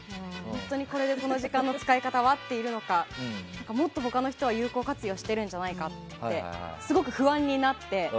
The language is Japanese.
本当にこの時間の使い方は合っているのかもっと他の人は有効活用しているんじゃないかってすごく不安になって。